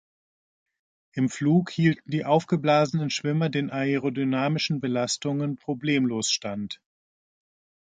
Im Flug hielten die aufgeblasenen Schwimmer den aerodynamischen Belastungen problemlos stand.